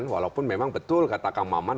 walaupun memang betul kata kang maman